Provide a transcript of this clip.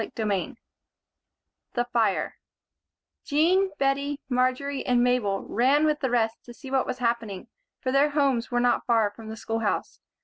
CHAPTER XII The Fire JEAN, Bettie, Marjory and Mabel ran with the rest to see what was happening, for their homes were not far from the schoolhouse.